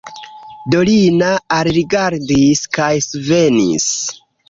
Dorina alrigardis kaj svenis.